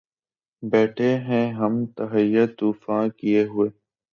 بیٹهے ہیں ہم تہیّہ طوفاں کئے ہوئے